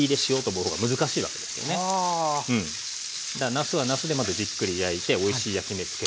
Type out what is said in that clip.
なすはなすでまたじっくり焼いておいしい焼き目つける。